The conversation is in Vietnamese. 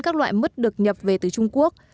các loại mứt được nhập về từ trung quốc